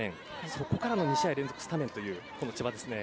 そこからの２試合連続スタメンという千葉ですね。